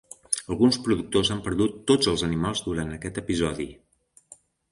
Alguns productors han perdut tots els animals durant aquest episodi.